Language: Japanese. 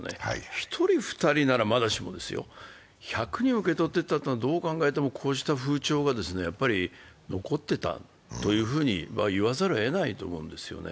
１人２人ならまだしてもですよ、１００人受け取ってたというのはどう考えても、こうした風潮が残ってたと言わざるをえないと思うんですよね。